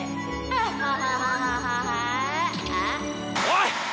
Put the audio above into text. おい！